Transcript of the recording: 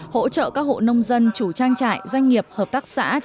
hỗ trợ các hộ nông dân chủ trang trại doanh nghiệp hợp tác xã